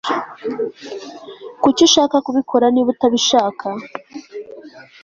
Kuki ushaka kubikora niba utabishaka